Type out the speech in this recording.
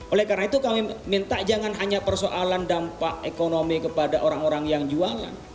oleh karena itu kami minta jangan hanya persoalan dampak ekonomi kepada orang orang yang jualan